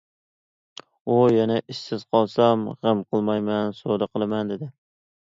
ئۇ: يەنە ئىشسىز قالسام، غەم قىلمايمەن، سودا قىلىمەن، دېدى.